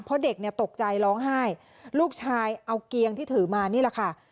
เพราะเด็กเนี่ยตกใจร้องไห้ลูกชายเอาเกียงที่ถือมานี่แหละค่ะ